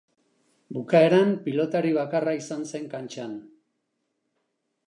Bukaeran pilotari bakarra izan zen kantxan.